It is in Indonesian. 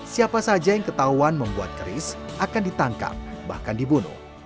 siapa saja yang ketahuan membuat keris akan ditangkap bahkan dibunuh